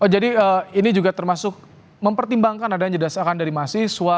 jadi ini juga termasuk mempertimbangkan adanya dasarkan dari mahasiswa